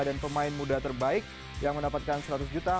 dan pemain muda terbaik yang mendapatkan seratus juta